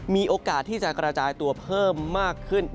มีโอกาสที่จะกระจายตัวเพิ่มมากขึ้น